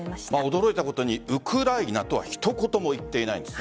驚いたことに、ウクライナとは一言も言っていないんです。